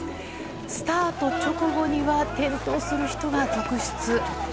スタート直後には転倒する人が続出。